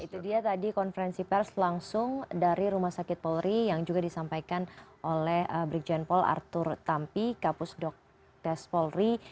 itu dia tadi konferensi pers langsung dari rumah sakit polri yang juga disampaikan oleh brigjen pol arthur tampi kapus dok tes polri